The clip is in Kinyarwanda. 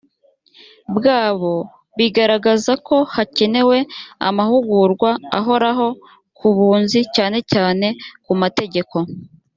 bwabo bigaragaza ko hakenewe amahugurwa ahoraho ku bunzi cyane cyane ku mategeko